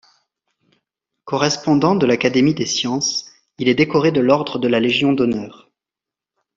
Correspondant de l’Académie des sciences, il est décoré de l’ordre de la Légion d'honneur.